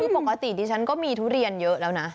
คือปกติดิฉันก็มีทุเรียนเยอะแล้วนะ